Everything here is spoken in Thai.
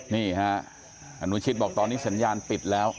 นี่ฮะอนุชิตบอกตอนนี้สัญญาณปิดแล้ว